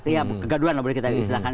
ya kegaduhan lah boleh kita izinkan